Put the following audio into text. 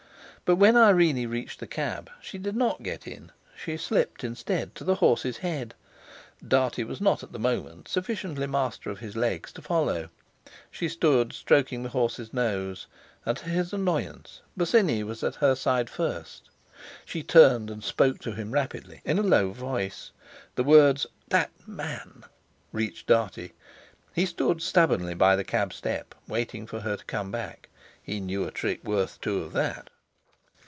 But when Irene reached the cab she did not get in; she slipped, instead, to the horse's head. Dartie was not at the moment sufficiently master of his legs to follow. She stood stroking the horse's nose, and, to his annoyance, Bosinney was at her side first. She turned and spoke to him rapidly, in a low voice; the words "That man" reached Dartie. He stood stubbornly by the cab step, waiting for her to come back. He knew a trick worth two of that!